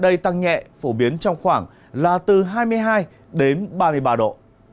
cây tăng nhẹ phổ biến trong khoảng là từ hai mươi hai ba mươi ba độ